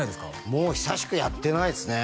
もう久しくやってないですね